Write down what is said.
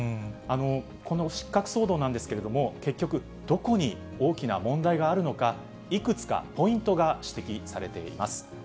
この失格騒動なんですけれども、結局、どこに大きな問題があるのか、いくつかポイントが指摘されています。